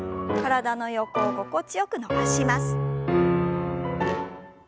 体の横を心地よく伸ばします。